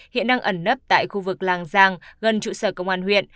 hiện đang ẩn nấp tại khu vực làng giang gần trụ sở công an huyện